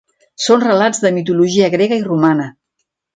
Són relats de mitologia grega i romana.